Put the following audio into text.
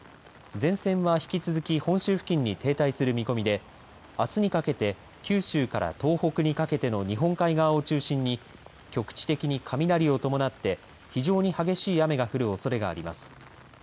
前線は引き続き本州付近に停滞する見込みであすにかけて九州から東北にかけての日本海側を中心に局地的に雷を伴って非常に激しい雨が降るおそれがあります。